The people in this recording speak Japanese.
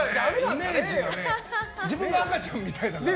自分が赤ちゃんみたいだから。